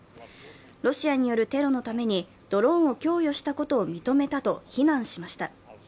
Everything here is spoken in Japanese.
ロシアによるテロのためにドローンを供与したことを認めたと非難しました。